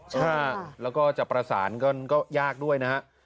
ใช่แล้วก็จะประสานก็ยากด้วยนะฮะ